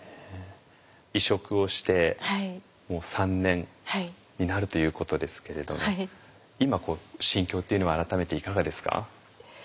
移植をしてもう３年になるということですけれど今こう心境っていうのは改めていかがですか？